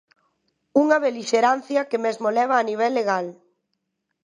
Unha belixerancia que mesmo leva a nivel legal.